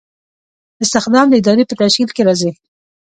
استخدام د ادارې په تشکیل کې راځي.